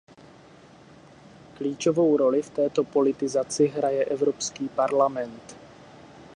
Klíčovou roli v této politizaci hraje Evropský parlament.